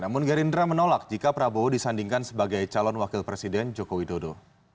namun gerindra menolak jika prabowo disandingkan sebagai calon wakil presiden joko widodo